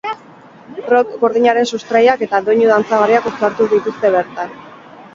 Rock gordinaren sustraiak eta doinu dantzagarriak uztartu dituzte bertan.